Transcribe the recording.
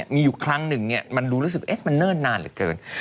มีอยู่ครั้งหนึ่งมันดูรู้สึกมันเนิ่นนานเหลือเกิน